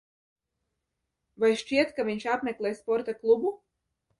Vai šķiet, ka viņš apmeklē sporta klubu?